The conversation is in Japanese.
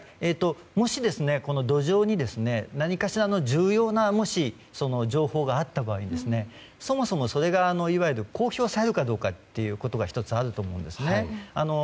もし、土壌に何かしらの重要な情報があった場合そもそもそれが公表されるかということが１つあると思うんですね。